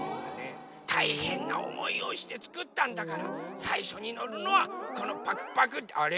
たいへんなおもいをしてつくったんだからさいしょにのるのはこのパクパクあれ？